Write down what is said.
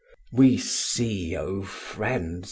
Wee see, O friends.